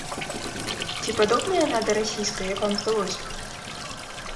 Ці падобна яна да расійскай, як вам здалося?